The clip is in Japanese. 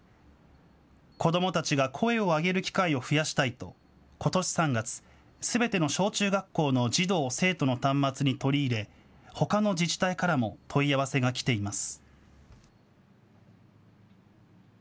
子どもたちが声を上げる機会を増やしたいと、ことし３月、すべての小中学校の児童・生徒の端末に取り入れ、ほかの自治体からも問い合わせが来ています。